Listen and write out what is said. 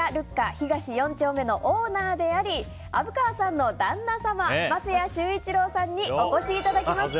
東４丁目のオーナーであり虻川さんの旦那様桝谷周一郎さんにお越しいただきました。